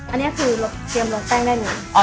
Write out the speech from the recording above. อันนี้คือเราเตรียมลงแป้งได้เลย